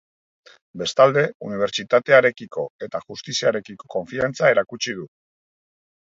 Bestalde, unibertsitatearekiko eta justiziarekiko konfiantza erakutsi du.